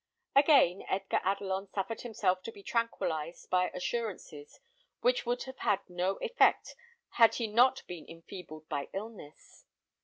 Again Edgar Adelon suffered himself to be tranquillized by assurances which would have had no effect, had he not been enfeebled by illness.